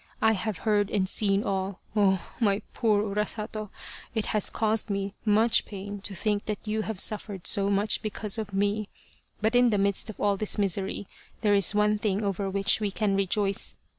I have heard and seen all oh ! my poor Urasato, it has caused me much pain to think that you have suffered so much because of me ; but in the midst of all this misery there is one thing over which we can rejoice.